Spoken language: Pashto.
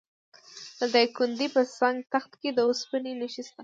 د دایکنډي په سنګ تخت کې د وسپنې نښې شته.